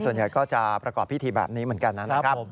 ส่วนใหญ่ก็จะประกอบพิธีแบบนี้เหมือนกันนะครับ